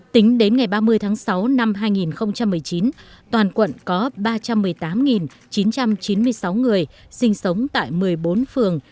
tính đến ngày ba mươi tháng sáu năm hai nghìn một mươi chín toàn quận có ba trăm một mươi tám chín trăm chín mươi sáu người sinh sống tại một mươi bốn phường